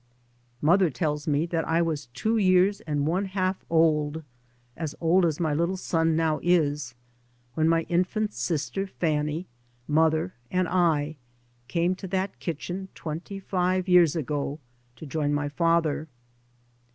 Mother tells me that I was two years and one half old, as old as my little son now is, when my infant sister Fanny, Mother, and I came to that kitchen twenty five years ago to join my father.